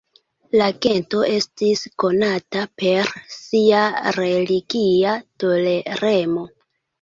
La gento estis konata per sia religia toleremo.